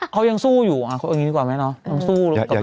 เขายังสู้อยู่อย่างนี้ดีกว่าไหมเนอะ